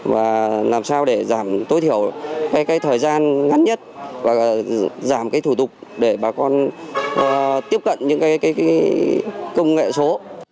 và làm sao để giảm tối thiểu cái thời gian ngắn nhất và giảm cái thủ tục để bà con tiếp cận những cái công nghệ số